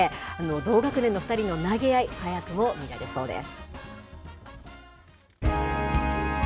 同学年の２人の投げ合い、早くも見られそうです。